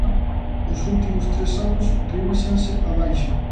Os últimos tres anos revísanse á baixa.